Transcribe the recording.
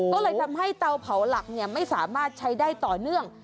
ก็เลยทำให้เตาเผาหลักไม่สามารถใช้ได้ต่อเนื่อง